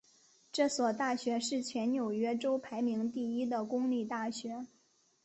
这所大学是全纽约州排名第一的公立大学。